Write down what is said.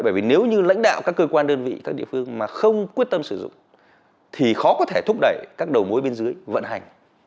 bởi vì nếu như lãnh đạo các cơ quan đơn vị các địa phương mà không quyết tâm sử dụng thì khó có thể thúc đẩy các đầu mối bên dưới vận hành